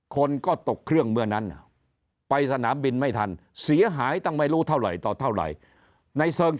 คนก็ตกเครื่องเมื่อนั้นไปสนามบินไม่ทันเสียหายตั้งไม่รู้เท่าไหร่ต่อเท่าไหร่ในเชิง